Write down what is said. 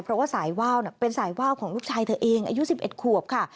เพราะว่าสายว่าวเป็นสายว่าวของลูกชายเธอเองอายุ๑๑ขวบค่ะ